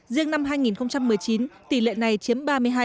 riêng năm hai nghìn một mươi chín tỷ lệ này chiếm ba mươi hai